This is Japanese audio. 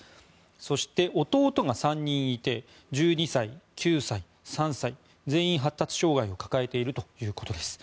そして、弟が３人いて１２歳、９歳、３歳全員、発達障害を抱えているということです。